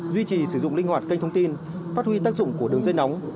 duy trì sử dụng linh hoạt kênh thông tin phát huy tác dụng của đường dây nóng